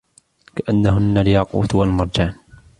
كأنهن الياقوت والمرجان